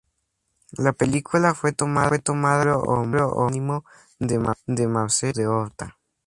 La película fue tomada del libro homónimo de Marcello De Orta.